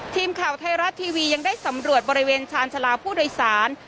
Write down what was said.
ทีมข่าวไทยรัฐทีวียังได้สำรวจบริเวณชาญชาลาผู้โดยสาร